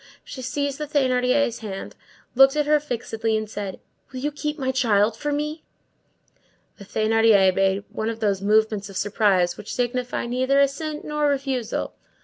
She seized the Thénardier's hand, looked at her fixedly, and said:— "Will you keep my child for me?" The Thénardier made one of those movements of surprise which signify neither assent nor refusal.